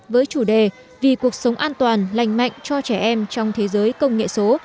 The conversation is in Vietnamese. với chủ đề vì cuộc sống an toàn lành mạnh cho trẻ em trong thế giới công nghệ số